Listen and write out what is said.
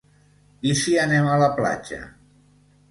I si anem a la platja?